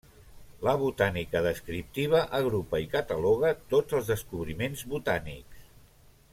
La botànica descriptiva agrupa i cataloga tots els descobriments botànics.